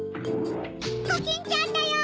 コキンちゃんだよ！